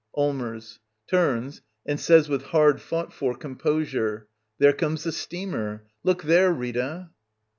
] Allmers. [Turns, and says with hard fought for composure] There comes the steamer. Look there, Rita.